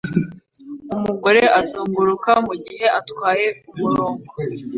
Umugore azunguruka mugihe atwaye umurongo